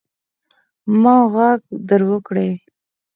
ما ږغ در وکړئ.